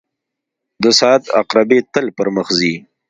• د ساعت عقربې تل پر مخ ځي.